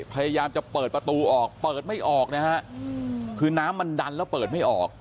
พยายามจะเปิดประตูออกเปิดไม่ออกนะฮะคือน้ำมันดันแล้วเปิดไม่ออก